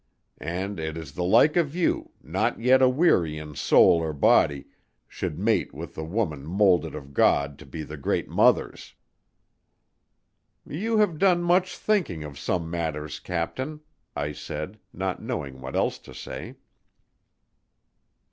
And it is the like of you, not yet aweary in soul or body, should mate with the women moulded of God to be the great mothers." "You have done much thinking of some matters, captain," I said, not knowing what else to say.